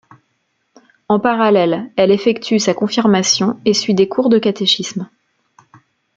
En parallèle, elle effectue sa confirmation et suit des cours de catéchisme.